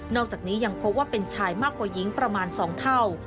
อกจากนี้ยังพบว่าเป็นชายมากกว่าหญิงประมาณ๒เท่า